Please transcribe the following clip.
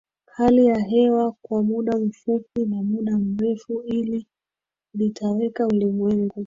hali ya hewa kwa muda mfupi na muda mrefu Hili litaweka ulimwengu